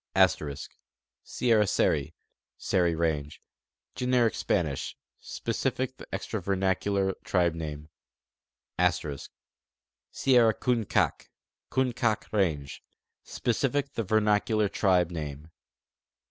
* Sierra Seri (Seri range) : Generic Spanish, specific the extra vernacu lar tribe name. * Sierra Kunkaak' (Kunkaak' range) : Specific the vernacular tribe name.